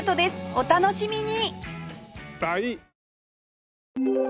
お楽しみに！